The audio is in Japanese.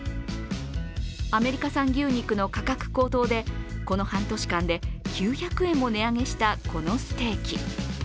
アメリカ産牛肉の価格高騰でこの半年間で９００円も値上げした、こちらのステーキ。